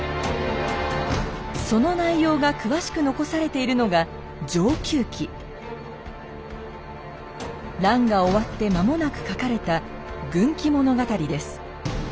その内容が詳しく残されているのが乱が終わって間もなく書かれた軍記物語です。